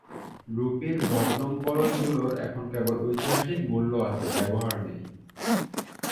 রুপির ভগ্নম্বরশগুলোর এখন কেবল ঐতিহাসিক মূল্য আছে, ব্যবহার নেই।